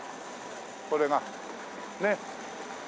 これがねっ。